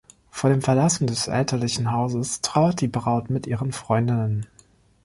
Vor dem Verlassen des elterlichen Hauses trauert die Braut mit ihren Freundinnen.